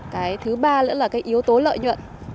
cái thứ ba nữa là cái yếu tố lợi nhuận